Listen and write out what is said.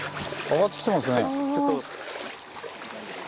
上がってきてますね。